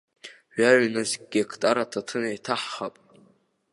Жәаҩа нызқь геқтар аҭаҭын еиҭаҳҳап.